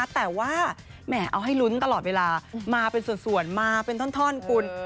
แต่ว่าแหมเอาให้ลุ้นตลอดเวลามาเป็นส่วนมาเป็นท่อนคุณ